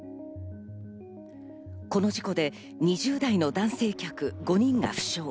この事故で２０代の男性客５人が負傷。